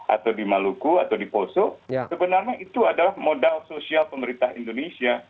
atau di maluku atau di poso sebenarnya itu adalah modal sosial pemerintah indonesia